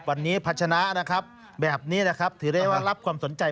วันนี้ภัฒนาแบบนี้คือได้วางรับความสนใจ